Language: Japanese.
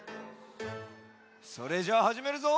それじゃあはじめるぞ。